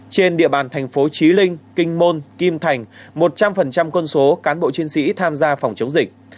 trên địa bàn thành phố trí linh kinh môn kim thành một trăm linh quân số cán bộ chiến sĩ tham gia phòng chống dịch